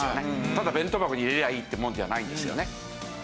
ただ弁当箱に入れりゃいいってもんじゃないんですよね。